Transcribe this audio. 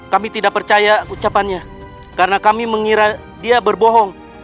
kami tidak percaya ucapannya karena kami mengira dia berbohong